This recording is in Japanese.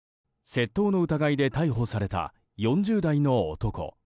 窃盗の疑いで逮捕された４０代の男。